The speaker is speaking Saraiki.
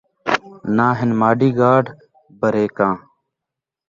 نہ ہن ماݙی ڳاݙ بریکاں